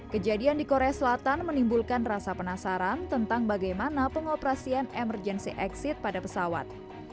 kejadian di korea selatan menimbulkan rasa penasaran tentang bagaimana pengoperasian emergency exit pada pesawat